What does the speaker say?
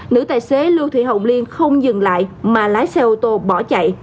nữ tài xế lưu thị hồng liên không dừng lại mà lái xe ô tô bỏ chạy